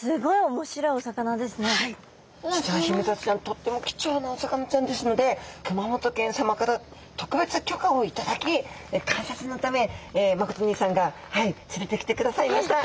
とっても貴重なお魚ちゃんですので熊本県さまから特別許可を頂き観察のため誠にいさんが連れてきてくださいました。